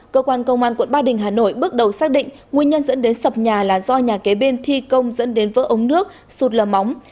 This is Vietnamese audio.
cơ quan công an quận ba đình hà nội bước đầu xác định nguyên nhân dẫn đến sập nhà là do nhà kế bên thi công dẫn đến vỡ ống nước sụt lờ móng